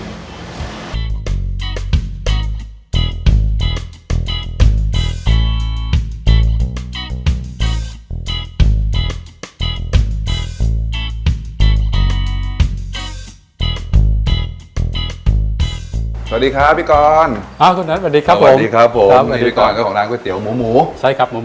เริ่มต้นออนทัวร์ร้านแรกนะครับกับร้านเส้นหลากสิบครับ